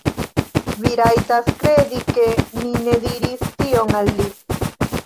Vi rajtas kredi ke mi ne diris tion al li.